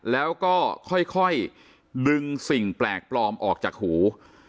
แล้วก็ค่อยดึงสิ่งแปลกปลอมออกจากหู